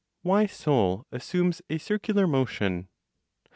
WHY SOUL ASSUMES A CIRCULAR MOTION.